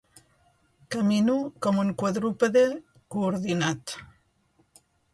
Camino com un quadrúpede coordinat.